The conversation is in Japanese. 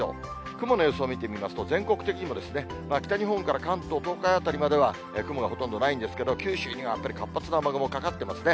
雲の様子を見てみますと、全国的にも北日本から関東、東海辺りまでは雲がほとんどないんですけど、九州にはやっぱり活発な雨雲かかってますね。